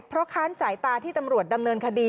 เพราะค้านสายตาที่ตำรวจดำเนินคดี